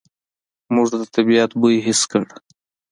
موږ د طبعیت بوی حس کړ.